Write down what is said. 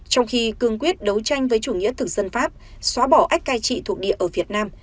trong khi cương quyết đấu tranh với chủ nghĩa thực dân pháp xóa bỏ ách cai trị thuộc địa ở việt nam